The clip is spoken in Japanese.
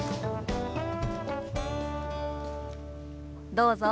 どうぞ。